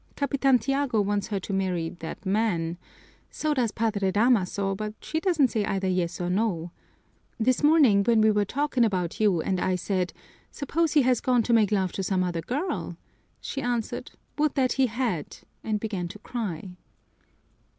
Capitan Tiago wants her to marry that man. So does Padre Damaso, but she doesn't say either yes or no. This morning when we were talking about you and I said, 'Suppose he has gone to make love to some other girl?' she answered, 'Would that he had!' and began to cry."